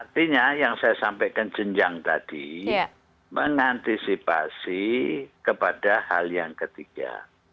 artinya yang saya sampaikan jenjang tadi mengantisipasi kepada hal yang ketiga